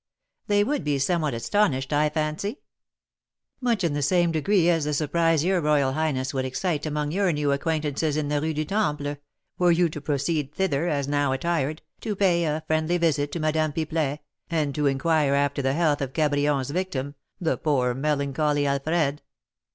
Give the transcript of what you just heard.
They would be somewhat astonished, I fancy." "Much in the same degree as the surprise your royal highness would excite among your new acquaintances in the Rue du Temple, were you to proceed thither, as now attired, to pay a friendly visit to Madame Pipelet, and to inquire after the health of Cabrion's victim, the poor melancholy Alfred!"